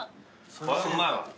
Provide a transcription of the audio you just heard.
うまいわ。